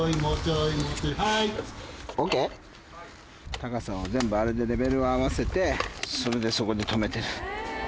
高さを全部あれでレベルを合わせてそれでそこで留めてる。